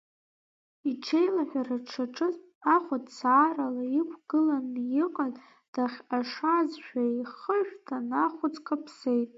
Иҽеилаҳәара дшаҿыз, ахәыӡ саарала иқәгыланы иҟаз дахҟьашазшәа ихышәҭын ахәыӡ каԥсеит.